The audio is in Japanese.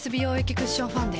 クッションファンデ